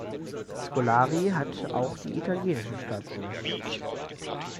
Scolari hat auch die italienische Staatsbürgerschaft.